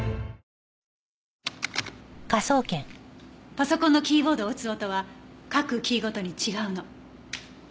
パソコンのキーボードを打つ音は各キーごとに違うの。